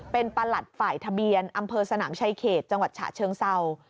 เป็นประหลัดฝ่ายทะเบียนอำเภอสนามชายเขตจังหวัดฉะเชิงเศร้า